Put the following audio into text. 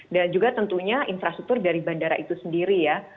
dan juga tentunya infrastruktur dari bandara itu sendiri ya